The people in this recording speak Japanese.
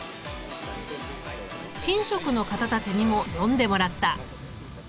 神職の方たちにも読んでもらった。